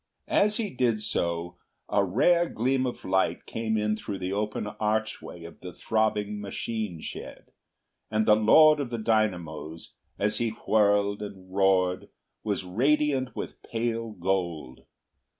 As he did so a rare gleam of light came in through the open archway of the throbbing machine shed, and the Lord of the Dynamos, as he whirled and roared, was radiant with pale gold.